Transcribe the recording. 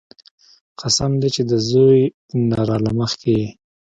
قسم دې چې د زوى نه راله مخكې يې.